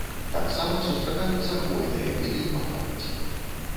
Таксама сустракаюцца хвойныя віды і папараць.